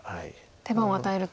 手番を与えると。